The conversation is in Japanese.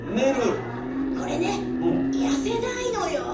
これね痩せないのよ。